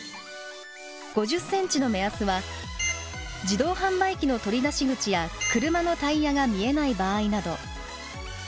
５０ｃｍの目安は自動販売機の取り出し口や車のタイヤが見えない場合など。